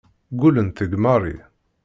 Ggullent deg Mary.